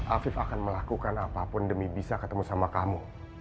afif akan melakukan apapun demi bisa ketemu sama kamu